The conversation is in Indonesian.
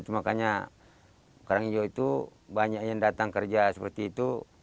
makanya kerang hijau itu banyak yang datang kerja seperti itu